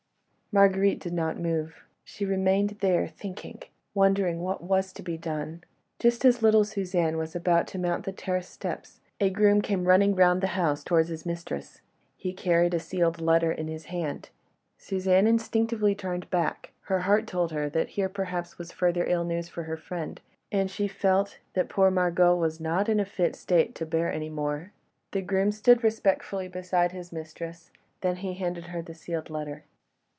Marguerite did not move, she remained there, thinking ... wondering what was to be done. Just as little Suzanne was about to mount the terrace steps, a groom came running round the house towards his mistress. He carried a sealed letter in his hand. Suzanne instinctively turned back; her heart told her that here perhaps was further ill news for her friend, and she felt that her poor Margot was not in a fit state to bear any more. The groom stood respectfully beside his mistress, then he handed her the sealed letter.